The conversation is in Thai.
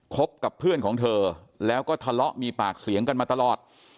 บกับเพื่อนของเธอแล้วก็ทะเลาะมีปากเสียงกันมาตลอด